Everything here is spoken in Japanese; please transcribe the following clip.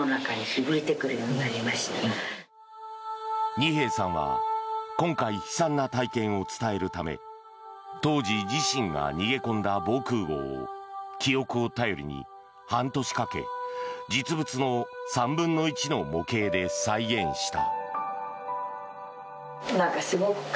二瓶さんは今回、悲惨な体験を伝えるため当時、自身が逃げ込んだ防空壕を記憶を頼りに半年かけ実物の３分の１の模型で再現した。